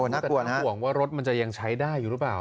น่าเป็นห่วงว่ารถมันจะยังใช้ได้อยู่หรือเปล่า